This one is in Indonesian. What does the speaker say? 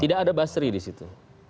tidak ada basri di situ